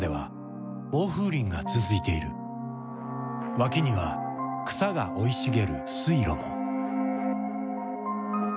脇には草が生い茂る水路も。